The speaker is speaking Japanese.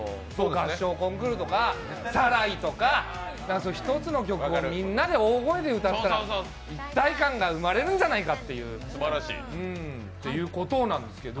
合唱コンクールとか「サライ」とか何か一つの曲を大声でみんなで歌ったら一体感が生まれるんじゃないかっていうことなんですけど。